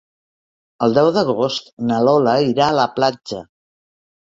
El deu d'agost na Lola irà a la platja.